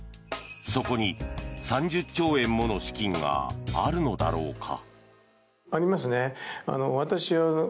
そこに３０兆円もの資金があるのだろうか。